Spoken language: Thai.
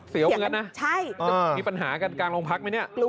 เสียวเมืองนะมีปัญหากันกลางโรงพักร์ไหมนี่